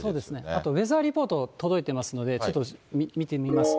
あとウェザーリポート、届いてますので、ちょっと見てみますと。